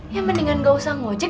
ya mendingan gak usah ngojek